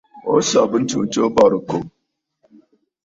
O sɔ̀bə ntsu tǒ bɔ̀rɨkòò.